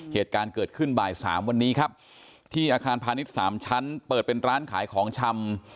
เหตุการณ์เกิดขึ้นบ่ายสามวันนี้ครับที่อาคารพาณิชย์สามชั้นเปิดเป็นร้านขายของชำ